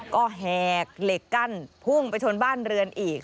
ก็แหกเหล็กกั้นพุ่งไปชนบ้านเรือนอีก